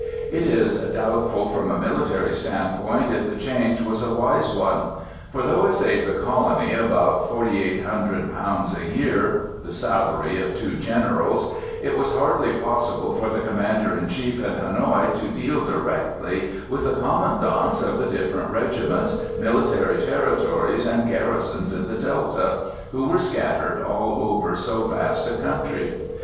It is doubtful, from a military standpoint, if the change was a wise one; for, though it saved the colony about £4,800 a year the salary of two generals it was hardly possible for the Commander in Chief in Hanoï to deal directly with the commandants of the different regiments, military territories and garrisons in the Delta, who were scattered all over so vast a country.